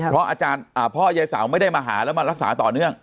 เพราะอาจารย์พ่อยายเสาไม่ได้มาหาแล้วมารักษาต่อเนื่อง